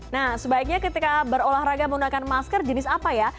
nah sebaiknya ketika berolahraga menggunakan masker jenis apa ya